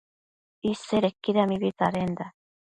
Isedequida mibi tsadenda